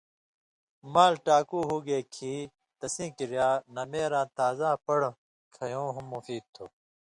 مال ٹاکُو ہُوگے کھیں تسیں کریا نمېراں تازا پن٘ڑوۡ کھیٶں ہم مفید تُھو۔